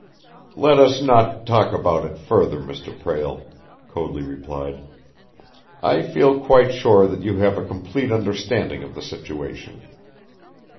"Let us not talk about it further, Mr. Prale," Coadley replied. "I feel quite sure that you have a complete understanding of the situation."